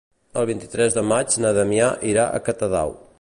El vint-i-tres de maig na Damià irà a Catadau.